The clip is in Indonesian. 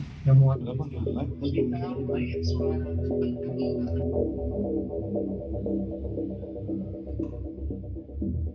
berita lain suara tentang kemuliaan